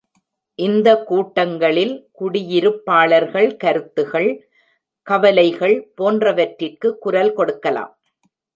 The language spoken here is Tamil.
இந்த கூட்டங்களில், குடியிருப்பாளர்கள் கருத்துகள், கவலைகள்... போன்றவற்றிற்கு குரல் கொடுக்கலாம்.